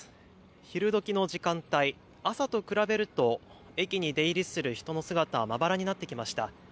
昼どきの時間帯朝と比べると駅に出入りする人の姿はまばらになってきました。